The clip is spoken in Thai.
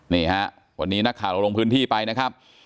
นี่ฮะวันนี้นักข่าวเราลงพื้นที่ไปนะครับ